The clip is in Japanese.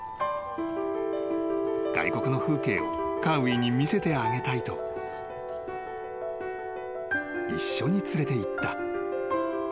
［外国の風景をカーウィに見せてあげたいと一緒に連れていった］